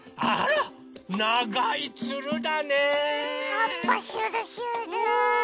はっぱしゅるしゅる。